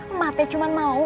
emak teh cuma mau